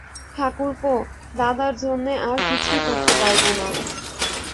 ঠাকুরপো, দাদার জন্যে আর কিছুই করতে পারব না।